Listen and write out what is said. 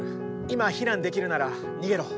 今、避難できるなら逃げろ。